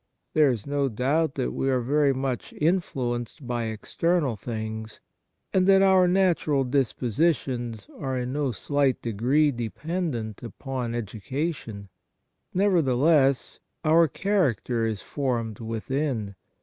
There is no doubt that we are very much influenced by external things, and that our natural dispositions are in no slight degree depen Ki)id Thuughts 47 dent upon education. Nevertheless, our character is formed within.